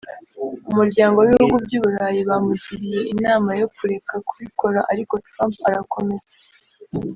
Umuryango w’Ibihugu by’Uburayi bamugiriye inama yo kureka kubikora ariko Trump arakomeza